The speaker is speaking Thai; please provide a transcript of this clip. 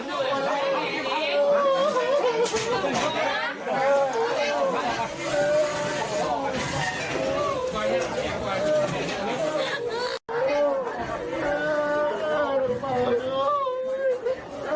โอ้โหเดี๋ยวคุณผู้ชมดูบรรยากาศค่ะ